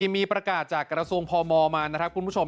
มีประกาศจากกระทรวงพมมานะครับคุณผู้ชม